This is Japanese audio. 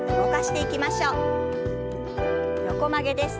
横曲げです。